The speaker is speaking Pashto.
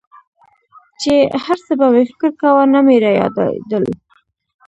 چې هرڅه به مې فکر کاوه نه مې رايادېدل.